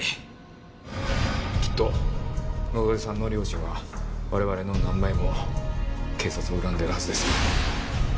きっと野添さんの両親は我々の何倍も警察を恨んでるはずですよ。